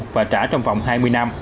và trả trong vòng hai mươi năm